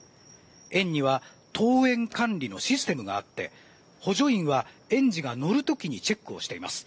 園には登園管理のシステムがあって補助員は園児が乗る時にチェックをしています。